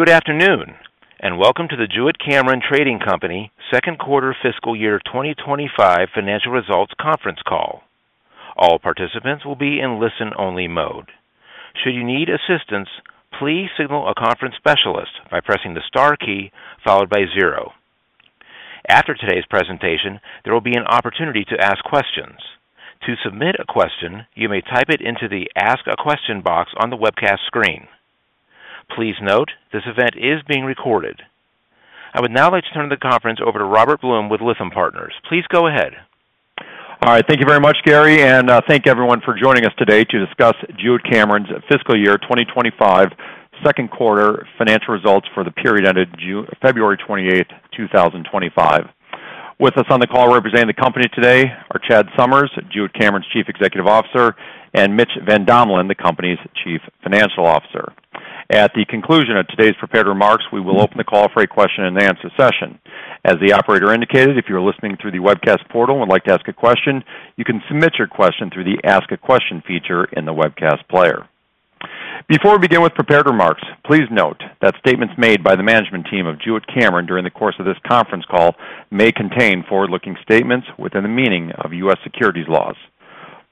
Good afternoon, and welcome to the Jewett-Cameron Trading Company Second Quarter Fiscal Year 2025 Financial Results Conference Call. All participants will be in listen-only mode. Should you need assistance, please signal a conference specialist by pressing the star key followed by zero. After today's presentation, there will be an opportunity to ask questions. To submit a question, you may type it into the Ask a Question box on the webcast screen. Please note this event is being recorded. I would now like to turn the conference over to Robert Blum with Litham Partners. Please go ahead. All right. Thank you very much, Gary, and thank everyone for joining us today to discuss Jewett-Cameron's Fiscal Year 2025 Second Quarter Financial Results for the period ended February 28, 2025. With us on the call representing the company today are Chad Summers, Jewett-Cameron's Chief Executive Officer, and Mitch Van Domelen, the company's Chief Financial Officer. At the conclusion of today's prepared remarks, we will open the call for a question-and-answer session. As the operator indicated, if you're listening through the webcast portal and would like to ask a question, you can submit your question through the Ask a Question feature in the webcast player. Before we begin with prepared remarks, please note that statements made by the management team of Jewett-Cameron during the course of this conference call may contain forward-looking statements within the meaning of U.S. securities laws.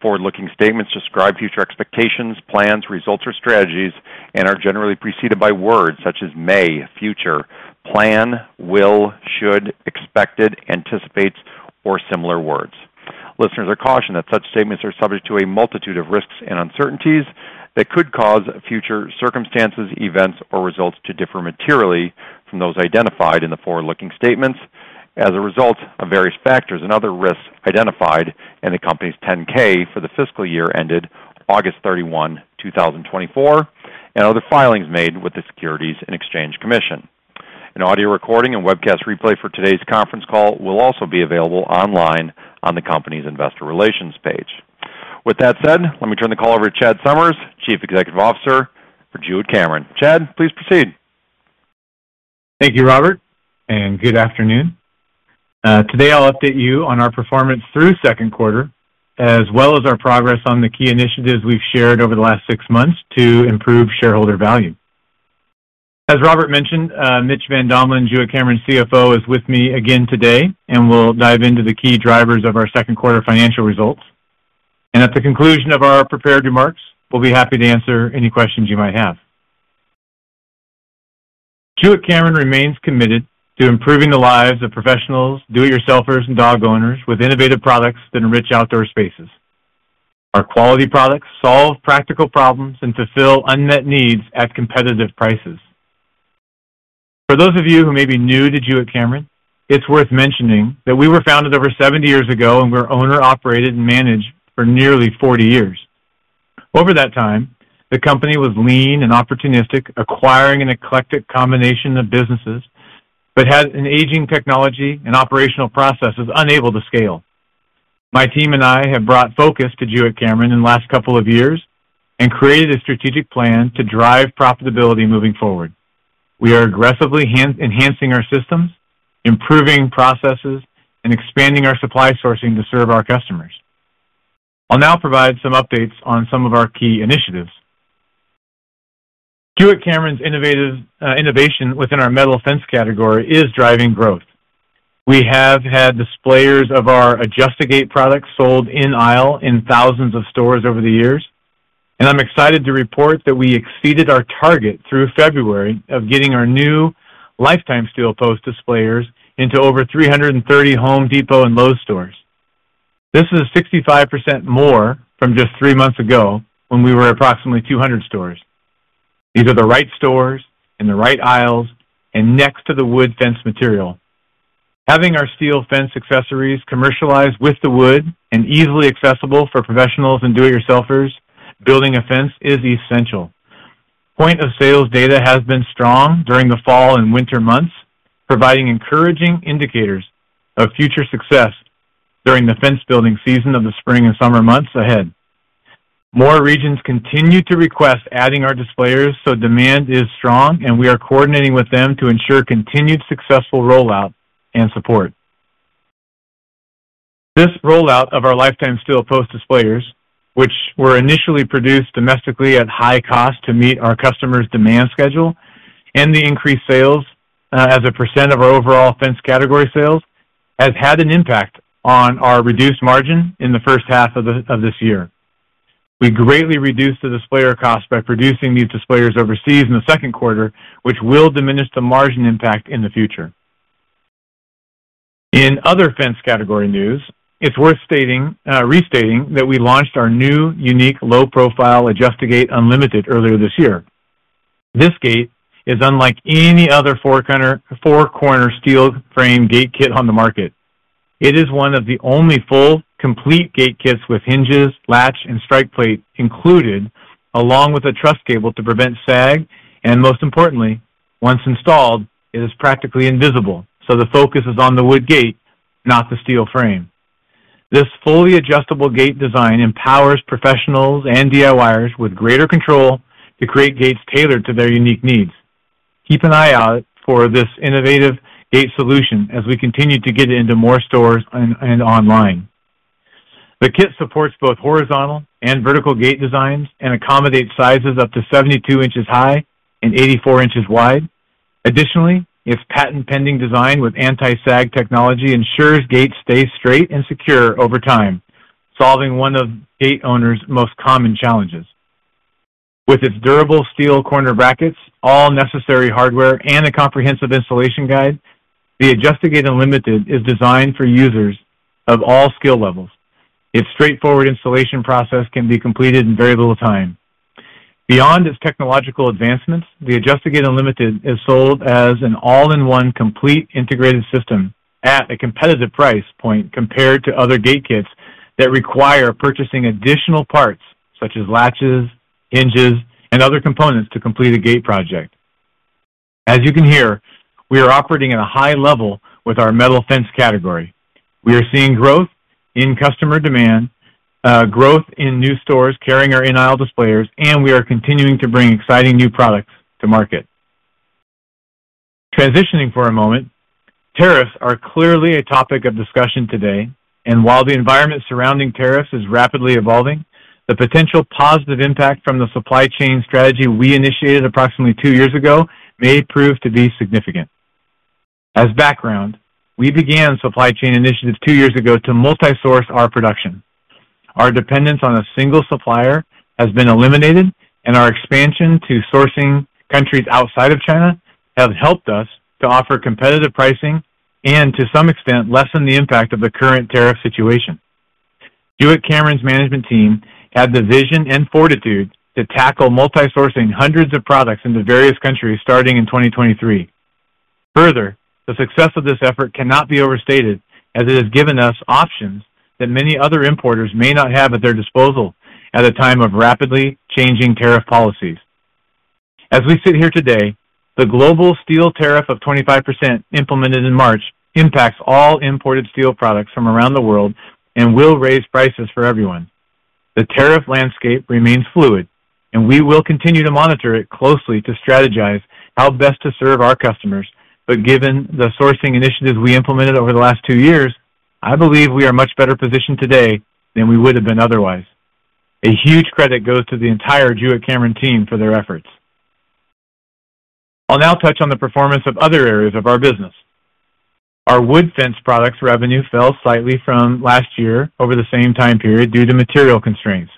Forward-looking statements describe future expectations, plans, results, or strategies, and are generally preceded by words such as may, future, plan, will, should, expected, anticipates, or similar words. Listeners are cautioned that such statements are subject to a multitude of risks and uncertainties that could cause future circumstances, events, or results to differ materially from those identified in the forward-looking statements as a result of various factors and other risks identified in the company's 10-K for the fiscal year ended August 31, 2024, and other filings made with the Securities and Exchange Commission. An audio recording and webcast replay for today's conference call will also be available online on the company's Investor Relations page. With that said, let me turn the call over to Chad Summers, Chief Executive Officer for Jewett-Cameron. Chad, please proceed. Thank you, Robert, and good afternoon. Today, I'll update you on our performance through second quarter, as well as our progress on the key initiatives we've shared over the last six months to improve shareholder value. As Robert mentioned, Mitch Van Domelen, Jewett-Cameron CFO, is with me again today and will dive into the key drivers of our second quarter financial results. At the conclusion of our prepared remarks, we'll be happy to answer any questions you might have. Jewett-Cameron remains committed to improving the lives of professionals, do-it-yourselfers, and dog owners with innovative products that enrich outdoor spaces. Our quality products solve practical problems and fulfill unmet needs at competitive prices. For those of you who may be new to Jewett-Cameron, it's worth mentioning that we were founded over 70 years ago, and we're owner-operated and managed for nearly 40 years. Over that time, the company was lean and opportunistic, acquiring an eclectic combination of businesses, but had an aging technology and operational processes unable to scale. My team and I have brought focus to Jewett-Cameron in the last couple of years and created a strategic plan to drive profitability moving forward. We are aggressively enhancing our systems, improving processes, and expanding our supply sourcing to serve our customers. I'll now provide some updates on some of our key initiatives. Jewett-Cameron's innovation within our metal fence category is driving growth. We have had displayers of our Adjust-A-Gate products sold in aisle in thousands of stores over the years, and I'm excited to report that we exceeded our target through February of getting our new Lifetime Steel Post Displayers into over 330 Home Depot and Lowe's stores. This is 65% more from just three months ago when we were at approximately 200 stores. These are the right stores in the right aisles and next to the wood fence material. Having our steel fence accessories commercialized with the wood and easily accessible for professionals and do-it-yourselfers building a fence is essential. Point-of-sales data has been strong during the fall and winter months, providing encouraging indicators of future success during the fence building season of the spring and summer months ahead. More regions continue to request adding our displayers, so demand is strong, and we are coordinating with them to ensure continued successful rollout and support. This rollout of our Lifetime Steel Post Displayers, which were initially produced domestically at high cost to meet our customers' demand schedule and the increased sales as a percent of our overall fence category sales, has had an impact on our reduced margin in the first half of this year. We greatly reduced the displayer cost by producing these displayers overseas in the second quarter, which will diminish the margin impact in the future. In other fence category news, it is worth restating that we launched our new, unique, low-profile Adjust-A-Gate Unlimited earlier this year. This gate is unlike any other four-corner steel frame gate kit on the market. It is one of the only full, complete gate kits with hinges, latch, and strike plate included, along with a truss cable to prevent sag. Most importantly, once installed, it is practically invisible, so the focus is on the wood gate, not the steel frame. This fully adjustable gate design empowers professionals and DIYers with greater control to create gates tailored to their unique needs. Keep an eye out for this innovative gate solution as we continue to get into more stores and online. The kit supports both horizontal and vertical gate designs and accommodates sizes up to 72 inches high and 84 inches wide. Additionally, its patent-pending design with anti-sag technology ensures gates stay straight and secure over time, solving one of gate owners' most common challenges. With its durable steel corner brackets, all necessary hardware, and a comprehensive installation guide, the Adjust-A-Gate Unlimited is designed for users of all skill levels. Its straightforward installation process can be completed in very little time. Beyond its technological advancements, the Adjust-A-Gate Unlimited is sold as an all-in-one complete integrated system at a competitive price point compared to other gate kits that require purchasing additional parts such as latches, hinges, and other components to complete a gate project. As you can hear, we are operating at a high level with our metal fence category. We are seeing growth in customer demand, growth in new stores carrying our in-aisle displayers, and we are continuing to bring exciting new products to market. Transitioning for a moment, tariffs are clearly a topic of discussion today, and while the environment surrounding tariffs is rapidly evolving, the potential positive impact from the supply chain strategy we initiated approximately two years ago may prove to be significant. As background, we began supply chain initiatives two years ago to multi-source our production. Our dependence on a single supplier has been eliminated, and our expansion to sourcing countries outside of China has helped us to offer competitive pricing and, to some extent, lessen the impact of the current tariff situation. Jewett-Cameron's management team had the vision and fortitude to tackle multi-sourcing hundreds of products into various countries starting in 2023. Further, the success of this effort cannot be overstated as it has given us options that many other importers may not have at their disposal at a time of rapidly changing tariff policies. As we sit here today, the global steel tariff of 25% implemented in March impacts all imported steel products from around the world and will raise prices for everyone. The tariff landscape remains fluid, and we will continue to monitor it closely to strategize how best to serve our customers. Given the sourcing initiatives we implemented over the last two years, I believe we are much better positioned today than we would have been otherwise. A huge credit goes to the entire Jewett-Cameron team for their efforts. I'll now touch on the performance of other areas of our business. Our wood fence products revenue fell slightly from last year over the same time period due to material constraints.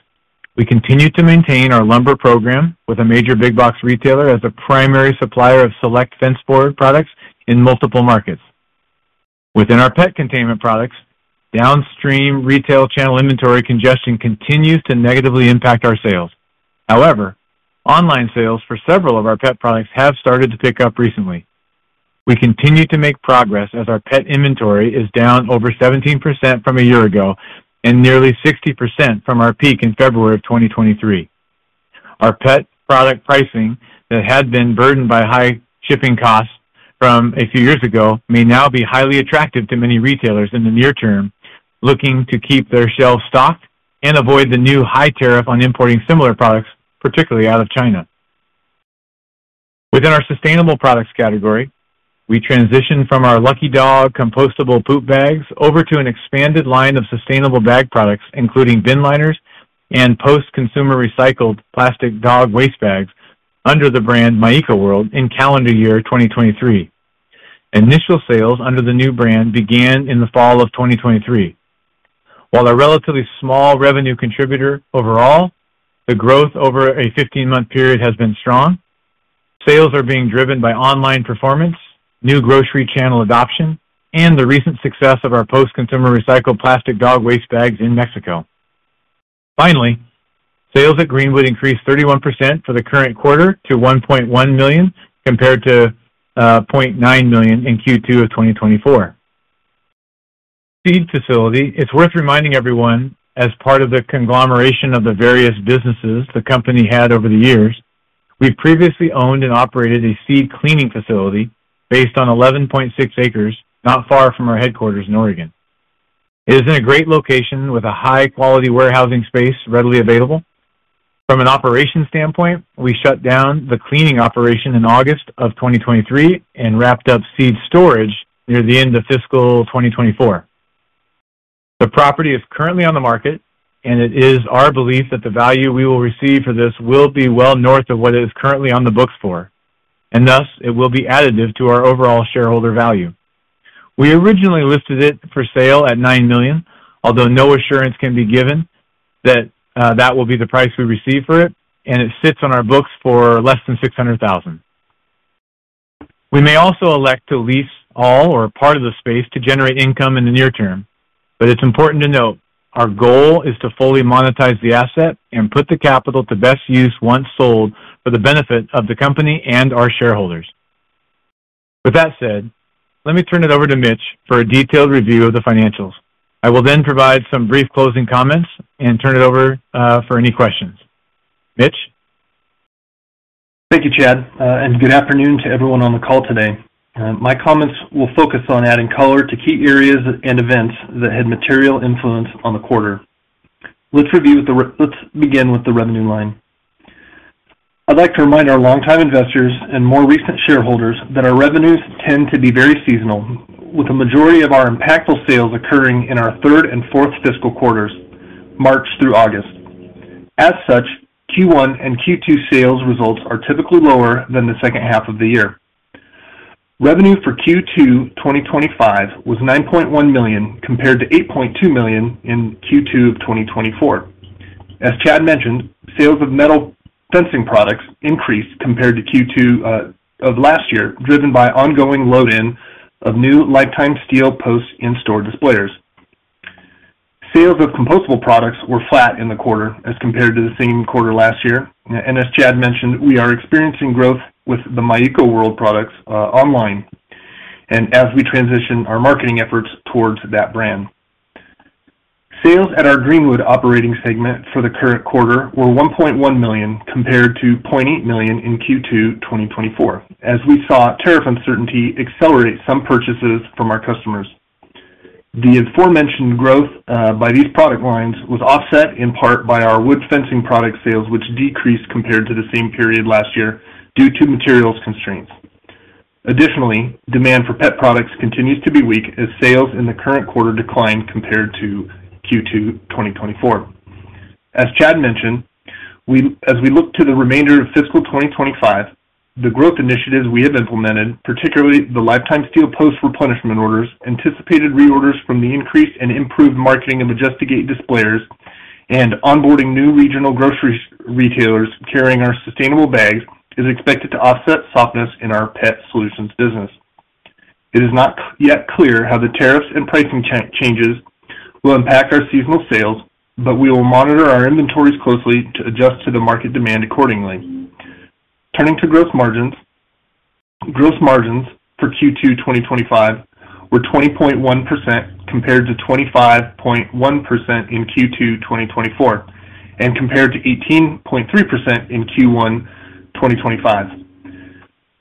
We continue to maintain our lumber program with a major big box retailer as a primary supplier of select fence board products in multiple markets. Within our pet containment products, downstream retail channel inventory congestion continues to negatively impact our sales. However, online sales for several of our pet products have started to pick up recently. We continue to make progress as our pet inventory is down over 17% from a year ago and nearly 60% from our peak in February of 2023. Our pet product pricing that had been burdened by high shipping costs from a few years ago may now be highly attractive to many retailers in the near term looking to keep their shelves stocked and avoid the new high tariff on importing similar products, particularly out of China. Within our sustainable products category, we transitioned from our Lucky Dog compostable poop bags over to an expanded line of sustainable bag products, including bin liners and post-consumer recycled plastic dog waste bags under the brand MyEcoWorld in calendar year 2023. Initial sales under the new brand began in the fall of 2023. While a relatively small revenue contributor overall, the growth over a 15-month period has been strong. Sales are being driven by online performance, new grocery channel adoption, and the recent success of our post-consumer recycled plastic dog waste bags in Mexico. Finally, sales at Greenwood increased 31% for the current quarter to $1.1 million compared to $0.9 million in Q2 of 2024. Seed facility, it's worth reminding everyone as part of the conglomeration of the various businesses the company had over the years, we've previously owned and operated a seed cleaning facility based on 11.6 acres not far from our headquarters in Oregon. It is in a great location with a high-quality warehousing space readily available. From an operation standpoint, we shut down the cleaning operation in August of 2023 and wrapped up seed storage near the end of fiscal 2024. The property is currently on the market, and it is our belief that the value we will receive for this will be well north of what it is currently on the books for, and thus it will be additive to our overall shareholder value. We originally listed it for sale at $9 million, although no assurance can be given that that will be the price we receive for it, and it sits on our books for less than $600,000. We may also elect to lease all or part of the space to generate income in the near term, but it's important to note our goal is to fully monetize the asset and put the capital to best use once sold for the benefit of the company and our shareholders. With that said, let me turn it over to Mitch for a detailed review of the financials. I will then provide some brief closing comments and turn it over for any questions. Mitch. Thank you, Chad, and good afternoon to everyone on the call today. My comments will focus on adding color to key areas and events that had material influence on the quarter. Let's begin with the revenue line. I'd like to remind our longtime investors and more recent shareholders that our revenues tend to be very seasonal, with a majority of our impactful sales occurring in our third and fourth fiscal quarters, March through August. As such, Q1 and Q2 sales results are typically lower than the second half of the year. Revenue for Q2 2025 was $9.1 million compared to $8.2 million in Q2 of 2024. As Chad mentioned, sales of metal fencing products increased compared to Q2 of last year, driven by ongoing load-in of new Lifetime Steel Post in-store displayers. Sales of compostable products were flat in the quarter as compared to the same quarter last year. As Chad mentioned, we are experiencing growth with the MyEcoWorld products online and as we transition our marketing efforts towards that brand. Sales at our Greenwood operating segment for the current quarter were $1.1 million compared to $0.8 million in Q2 2024, as we saw tariff uncertainty accelerate some purchases from our customers. The aforementioned growth by these product lines was offset in part by our wood fencing product sales, which decreased compared to the same period last year due to materials constraints. Additionally, demand for pet products continues to be weak as sales in the current quarter declined compared to Q2 2024. As Chad mentioned, as we look to the remainder of fiscal 2025, the growth initiatives we have implemented, particularly the Lifetime Steel Post replenishment orders, anticipated reorders from the increased and improved marketing of Adjust-A-Gate displayers and onboarding new regional grocery retailers carrying our sustainable bags is expected to offset softness in our pet solutions business. It is not yet clear how the tariffs and pricing changes will impact our seasonal sales, but we will monitor our inventories closely to adjust to the market demand accordingly. Turning to gross margins, gross margins for Q2 2025 were 20.1% compared to 25.1% in Q2 2024 and compared to 18.3% in Q1 2025.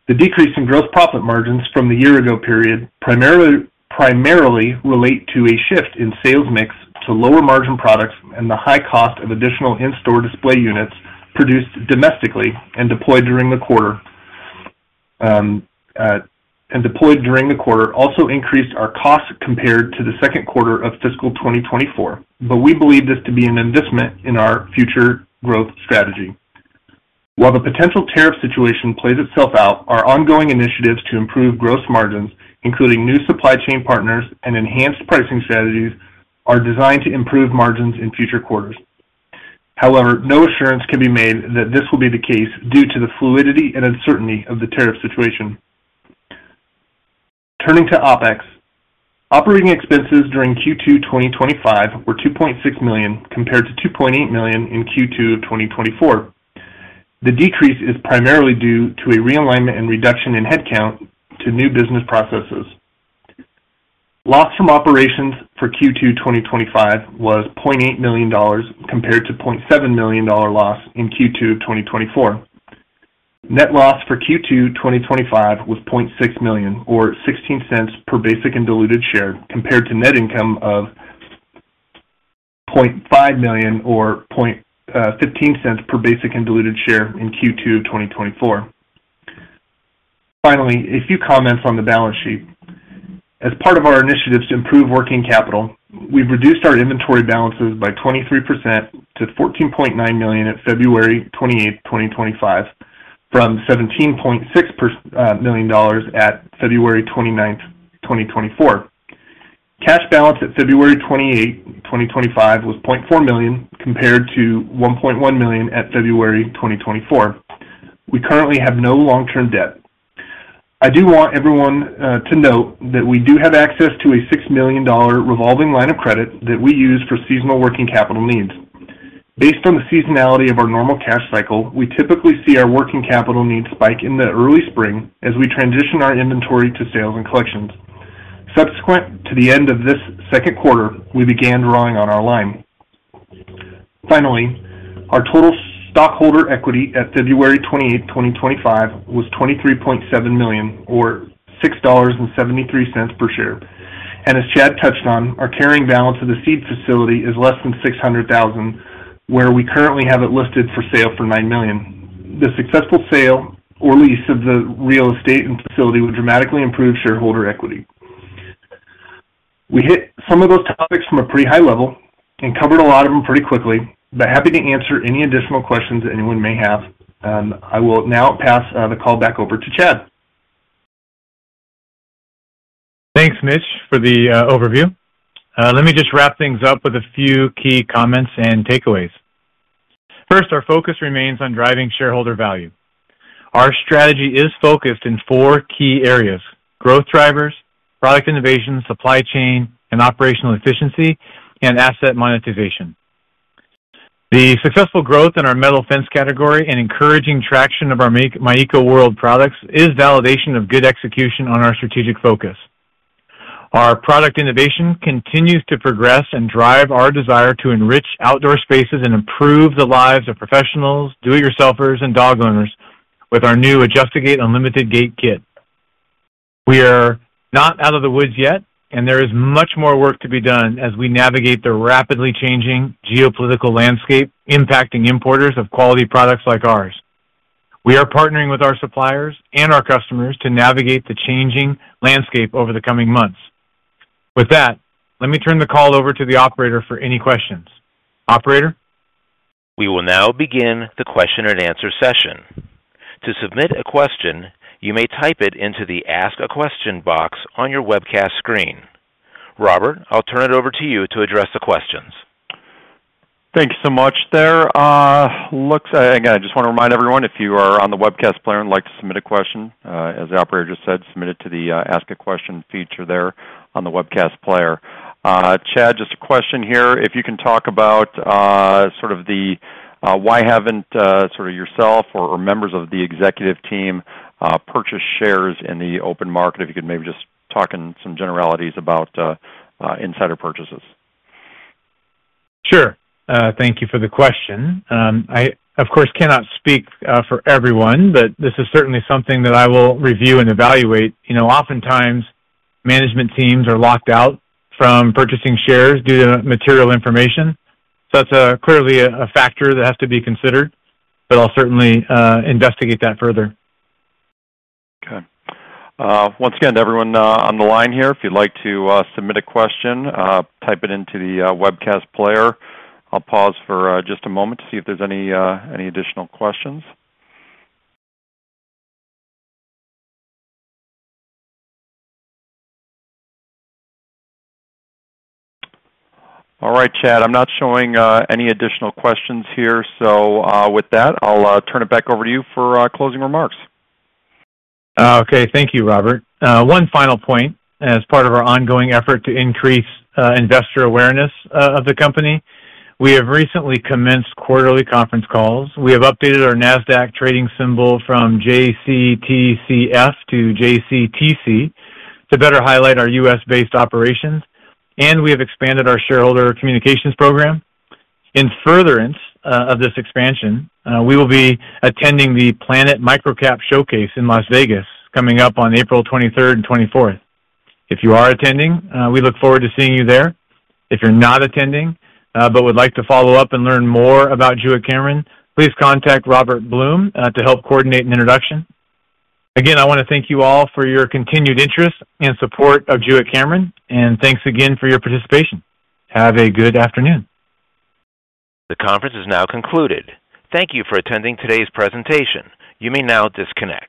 The decrease in gross profit margins from the year-ago period primarily relates to a shift in sales mix to lower margin products and the high cost of additional in-store display units produced domestically and deployed during the quarter. Deployed during the quarter also increased our costs compared to the second quarter of fiscal 2024, but we believe this to be an investment in our future growth strategy. While the potential tariff situation plays itself out, our ongoing initiatives to improve gross margins, including new supply chain partners and enhanced pricing strategies, are designed to improve margins in future quarters. However, no assurance can be made that this will be the case due to the fluidity and uncertainty of the tariff situation. Turning to OpEx, operating expenses during Q2 2025 were $2.6 million compared to $2.8 million in Q2 of 2024. The decrease is primarily due to a realignment and reduction in headcount to new business processes. Loss from operations for Q2 2025 was $0.8 million compared to $0.7 million loss in Q2 2024. Net loss for Q2 2025 was $0.6 million, or $0.16 per basic and diluted share, compared to net income of $0.5 million, or $0.15 per basic and diluted share in Q2 2024. Finally, a few comments on the balance sheet. As part of our initiatives to improve working capital, we've reduced our inventory balances by 23% to $14.9 million at February 28th, 2025, from $17.6 million at February 29th, 2024. Cash balance at February 28th, 2025 was $0.4 million compared to $1.1 million at February 2024. We currently have no long-term debt. I do want everyone to note that we do have access to a $6 million revolving line of credit that we use for seasonal working capital needs. Based on the seasonality of our normal cash cycle, we typically see our working capital needs spike in the early spring as we transition our inventory to sales and collections. Subsequent to the end of this second quarter, we began drawing on our line. Finally, our total stockholder equity at February 28th, 2025, was $23.7 million, or $6.73 per share. As Chad touched on, our carrying balance of the seed facility is less than $600,000, where we currently have it listed for sale for $9 million. The successful sale or lease of the real estate and facility would dramatically improve shareholder equity. We hit some of those topics from a pretty high level and covered a lot of them pretty quickly, but happy to answer any additional questions anyone may have. I will now pass the call back over to Chad. Thanks, Mitch, for the overview. Let me just wrap things up with a few key comments and takeaways. First, our focus remains on driving shareholder value. Our strategy is focused in four key areas: growth drivers, product innovation, supply chain and operational efficiency, and asset monetization. The successful growth in our metal fence category and encouraging traction of our MyEcoWorld products is validation of good execution on our strategic focus. Our product innovation continues to progress and drive our desire to enrich outdoor spaces and improve the lives of professionals, do-it-yourselfers, and dog owners with our new Adjust-A-Gate Unlimited gate kit. We are not out of the woods yet, and there is much more work to be done as we navigate the rapidly changing geopolitical landscape impacting importers of quality products like ours. We are partnering with our suppliers and our customers to navigate the changing landscape over the coming months. With that, let me turn the call over to the operator for any questions. Operator. We will now begin the question and answer session. To submit a question, you may type it into the Ask a Question box on your webcast screen. Robert, I'll turn it over to you to address the questions. Thank you so much there. Again, I just want to remind everyone, if you are on the webcast player and would like to submit a question, as the operator just said, submit it to the Ask a Question feature there on the webcast player. Chad, just a question here. If you can talk about sort of the why haven't sort of yourself or members of the executive team purchased shares in the open market, if you could maybe just talk in some generalities about insider purchases. Sure. Thank you for the question. I, of course, cannot speak for everyone, but this is certainly something that I will review and evaluate. Oftentimes, management teams are locked out from purchasing shares due to material information. That is clearly a factor that has to be considered, but I'll certainly investigate that further. Okay. Once again, everyone on the line here, if you'd like to submit a question, type it into the webcast player. I'll pause for just a moment to see if there's any additional questions. All right, Chad. I'm not showing any additional questions here. With that, I'll turn it back over to you for closing remarks. Okay. Thank you, Robert. One final point. As part of our ongoing effort to increase investor awareness of the company, we have recently commenced quarterly conference calls. We have updated our NASDAQ trading symbol from JCTCF to JCTC to better highlight our U.S.-based operations. We have expanded our shareholder communications program. In furtherance of this expansion, we will be attending the Planet Microcap Showcase in Las Vegas coming up on April 23rd and 24th. If you are attending, we look forward to seeing you there. If you're not attending but would like to follow up and learn more about Jewett-Cameron, please contact Robert Blum to help coordinate an introduction. Again, I want to thank you all for your continued interest and support of Jewett-Cameron, and thanks again for your participation. Have a good afternoon. The conference is now concluded. Thank you for attending today's presentation. You may now disconnect.